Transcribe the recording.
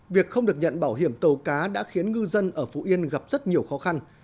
việc không được nhận bảo hiểm tàu cá đã khiến ngư dân ở phú yên gặp rất nhiều khó khăn